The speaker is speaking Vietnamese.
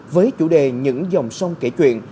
với chủ đề những dòng sông kể chuyện